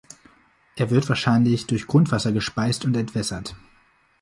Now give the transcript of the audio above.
Er wird wahrscheinlich durch Grundwasser gespeist und entwässert.